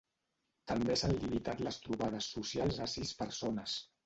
També s’han limitat les trobades socials a sis persones.